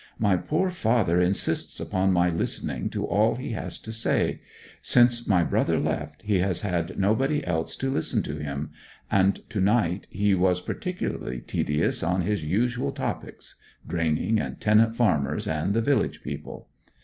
My poor father insists upon my listening to all he has to say; since my brother left he has had nobody else to listen to him; and to night he was particularly tedious on his usual topics draining, and tenant farmers, and the village people.